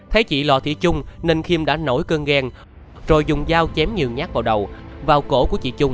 thấy chị lò thị trung nên khiêm đã nổi cơn ghen rồi dùng dao chém nhiều nhát vào đầu vào cổ của chị trung